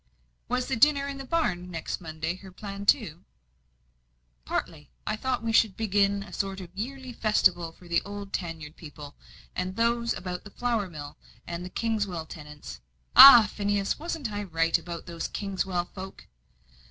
"Was the dinner in the barn, next Monday, her plan, too?" "Partly. I thought we would begin a sort of yearly festival for the old tan yard people, and those about the flour mill, and the Kingswell tenants ah, Phineas, wasn't I right about those Kingswell folk?"